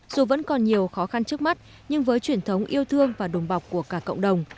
dù vẫn còn nhiều khó khăn trước mắt nhưng với truyền thống yêu thương và đùm bọc của cả cộng đồng